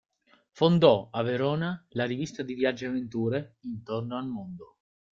Fondò a Verona la rivista di viaggi e avventure "Intorno al Mondo.